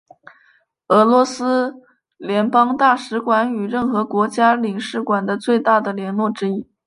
俄罗斯联邦大使馆与任何国家的领事馆的最大的联络之一。